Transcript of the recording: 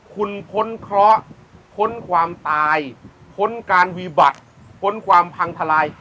คุณพ้นเคราะห์พ้นความตายพ้นการวีบัติพ้นความพังทลาย